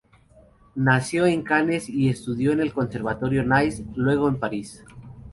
Nació en Cannes, estudió en el Conservatorio Nice, luego en París.